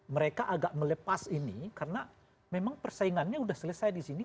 mereka agak melepas ini karena memang persaingannya sudah selesai di sini